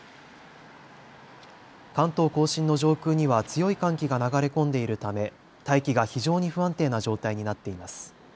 関東甲信の上空には強い寒気が流れ込んでいるため大気が非常に不安定な状態になっています。